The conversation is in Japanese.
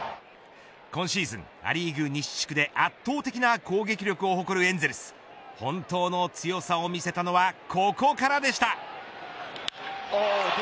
今シーズン、ア・リーグ西地区で圧倒的な攻撃力を誇るエンゼルス本当の強さを見せたのはここからでした。